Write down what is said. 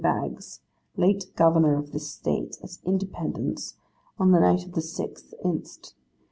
Baggs, late Governor of this State, at Independence, on the night of the 6th inst.